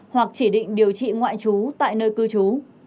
hoặc chỉ định điều trị ngoại trú tại nơi cư trú